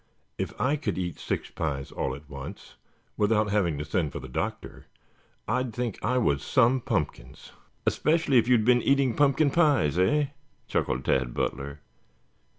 "If I could eat six pies all at once, without having to send for the doctor, I'd think I was some pumpkins." "Especially if you had been eating pumpkin pies, eh?" chuckled Tad Butler.